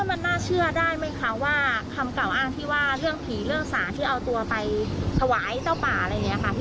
มันน่าเชื่อได้ไหมคะว่าคำกล่าวอ้างที่ว่าเรื่องผีเรื่องสารที่เอาตัวไปถวายเจ้าป่าอะไรอย่างนี้ค่ะพี่